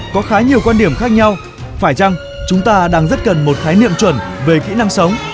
có khá nhiều quan điểm khác nhau phải chăng chúng ta đang rất cần một khái niệm chuẩn về kỹ năng sống